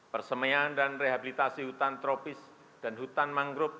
persemaian dan rehabilitasi hutan tropis dan hutan manggrup